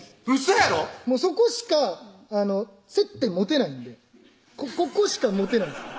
そこしか接点持てないんでここしか持てないんです